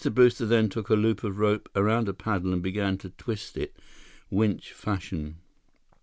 Brewster then took a loop of rope around a paddle and began to twist it, winch fashion.